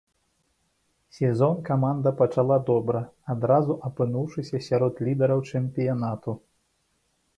Сезон каманда пачала добра, адразу апынуўшыся сярод лідараў чэмпіянату.